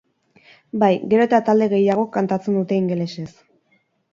Bai, gero eta talde gehiagok kantatzen dute ingelesez.